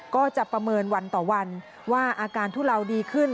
ก็จะประเมินวันต่อวันว่าอาการทุเลาดีขึ้น